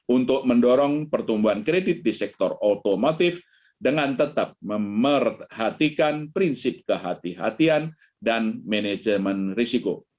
untuk mendorong pertumbuhan kredit di sektor otomotif dengan tetap memerhatikan prinsip kehatian dan manajemen risiko